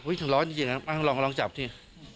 อุ๊ยร้อนจริงลองจับนี่